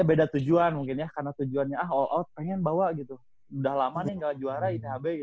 beda tujuan mungkin ya karena tujuannya ah all out pengen bawa gitu udah lama nih gak juara ini hb